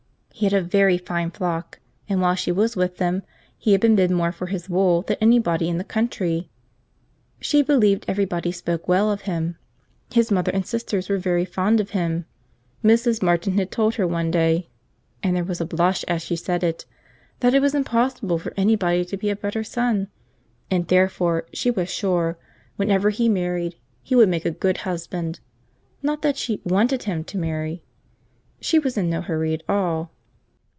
He had a very fine flock, and, while she was with them, he had been bid more for his wool than any body in the country. She believed every body spoke well of him. His mother and sisters were very fond of him. Mrs. Martin had told her one day (and there was a blush as she said it,) that it was impossible for any body to be a better son, and therefore she was sure, whenever he married, he would make a good husband. Not that she wanted him to marry. She was in no hurry at all.